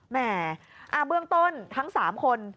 แหมเบื้องต้นทั้ง๓คน